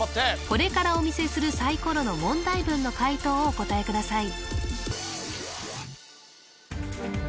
これからお見せするサイコロの問題文の解答をお答えください